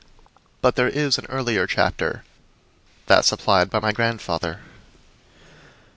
But there is an earlier chapter that supplied by my grandfather.